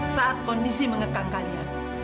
saat kondisi mengekang kalian